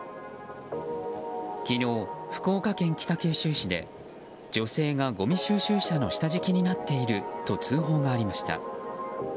昨日、福岡県北九州市で女性がごみ収集車の下敷きになっていると通報がありました。